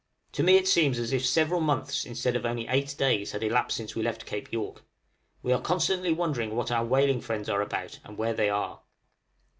To me it seems as if several months instead of only eight days had elapsed since we left Cape York. We are constantly wondering what our whaling friends are about, and where they are?